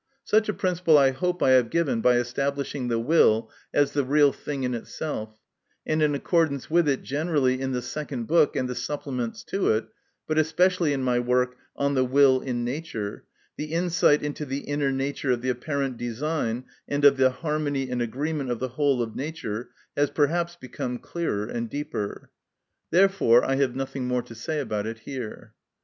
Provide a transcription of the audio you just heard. Such a principle I hope I have given by establishing the will as the real thing in itself; and in accordance with it generally in the second book and the supplements to it, but especially in my work "On the Will in Nature," the insight into the inner nature of the apparent design and of the harmony and agreement of the whole of nature has perhaps become clearer and deeper. Therefore I have nothing more to say about it here.